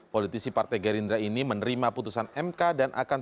politisi partai gerindra ini menerima putusan mk dan akan